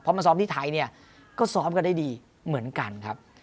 เพราะมันซ้อมที่ไทยก็ซ้อมกันได้ดีเหมือนกันครับ